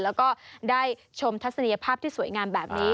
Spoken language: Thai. แล้วก็ได้ชมทัศนียภาพที่สวยงามแบบนี้